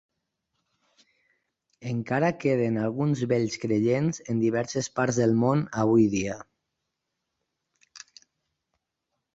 Encara queden alguns vells creients en diverses parts del món avui dia.